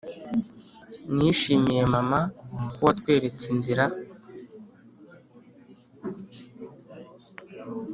"nishimiye mama ko watweretse inzira".